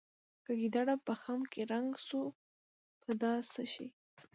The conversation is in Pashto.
که ګیدړ په خم کې رنګ شو په دا څه شي.